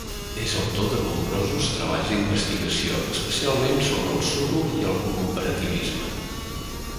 És autor de nombrosos treballs d'investigació, especialment sobre el suro i el cooperativisme.